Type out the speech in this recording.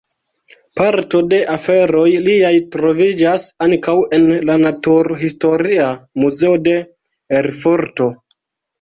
Parto de aferoj liaj troviĝas ankaŭ en la Naturhistoria Muzeo de Erfurto.